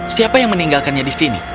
siapa yang meninggalkannya di sini